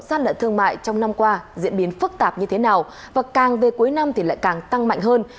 gian lận thương mại trong năm qua diễn biến phức tạp như thế nào và càng về cuối năm thì lại càng tăng mạnh hơn